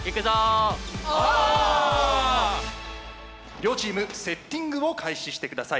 両チームセッティングを開始して下さい。